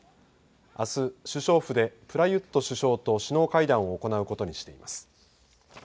あす首相府でプラユット首相と首脳会談を行うことにしています。